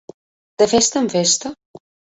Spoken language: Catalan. De festa en festa.